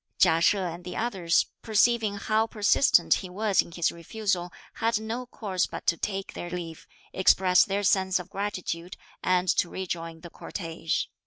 Chia She and the others, perceiving how persistent he was in his refusal had no course but to take their leave, express their sense of gratitude and to rejoin the cortege.